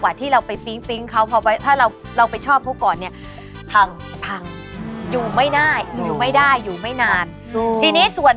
ความรักเนี่ยถ้าถ้ายังไม่มีใครไม่มีคู่เนี่ย